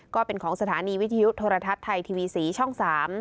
ก็เป็นของสถานีวิทยุโทรทัศน์ไทยทีวี๔ช่อง๓